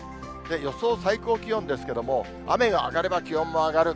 予想最高気温ですけれども、雨が上がれば、気温も上がる。